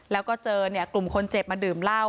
แล้วก็เจอกลุ่มคนเจ็บมาดื่มเหล้า